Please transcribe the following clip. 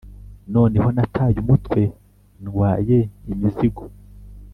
noneho nataye umutwe ndwaye imizigo